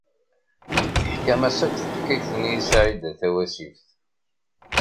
Teḥkam-as akk taḥkayt-nni i Saɛida Tawasift.